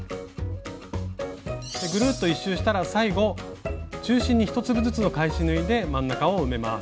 ぐるっと１周したら最後中心に１粒ずつの返し縫いで真ん中を埋めます。